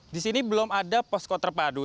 di sini belum ada posko terpadu